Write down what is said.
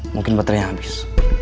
mungkin baterainya habis